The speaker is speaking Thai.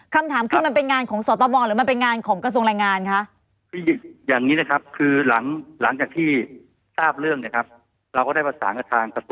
คำถามคือมันเป็นงานของสตมหรือมันเป็นงานของกระทรวงแรงงานคะ